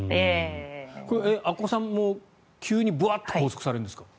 阿古さんも、急にブワッと拘束されるんですか？